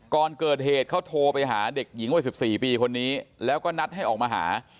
ก่อนเกิดเหตุเขาโทรไปหาเด็กหญิงวัย๑๔ปีคนนี้แล้วก็นัดให้ออกมาหา